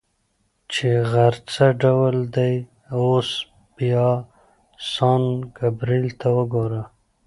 چې غر څه ډول دی، اوس بیا سان ګبرېل ته وګوره.